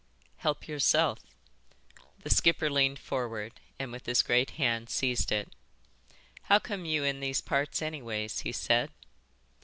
"Help yourself." The skipper leaned forward and with his great hand seized it. "And how come you in these parts anyways?" he said.